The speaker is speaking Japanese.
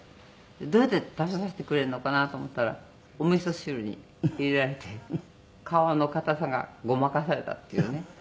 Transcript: どうやって食べさせてくれるのかなと思ったらおみそ汁に入れられて皮の硬さがごまかされたっていうね。